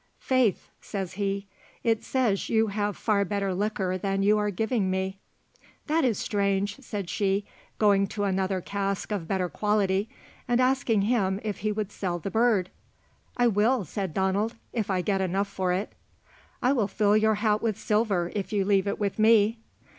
Faith," says he, "it says you have far better liquor than you are giving me." "That is strange," said she, going to another cask of better quality, and asking him if he would sell the bird. "I will," said Donald, "if I get enough for it." "I will fill your hat with silver if you leave it with me."